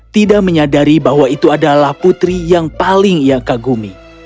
tidak menyadari bahwa itu adalah putri yang paling ia kagumi